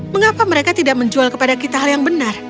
mengapa mereka tidak menjual kepada kita hal yang benar